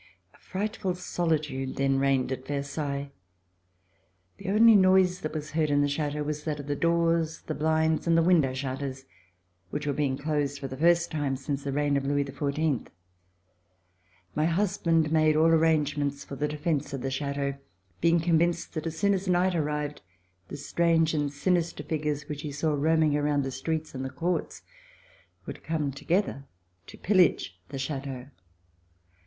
A frightful solitude then reigned at Ver sailles. The only noise which was heard in the Chateau was that of the doors, the blinds and the window shutters which were being closed for the first time since the reign of Louis XIV. My husband made all arrangements for the defence of the Chateau, being convinced that as soon as night arrived, the strange and sinister figures which he saw roaming around the streets and the courts would come to gether to pillage the Chateau.